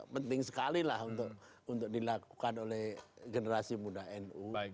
penting sekali lah untuk dilakukan oleh generasi muda nu